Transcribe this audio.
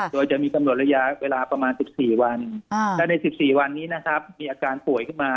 โดยจะมีกำหนดระยะเวลาประมาณ๑๔วันและใน๑๔วันนี้นะครับมีอาการป่วยขึ้นมา